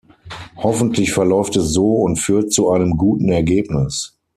Hoffentlich verläuft es so und führt zu einem guten Ergebnis.